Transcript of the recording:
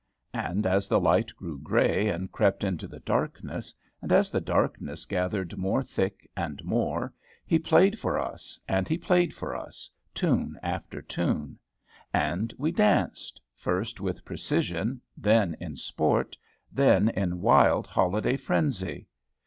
And as the light grew gray, and crept into the darkness, and as the darkness gathered more thick and more, he played for us and he played for us, tune after tune; and we danced, first with precision, then in sport, then in wild holiday frenzy.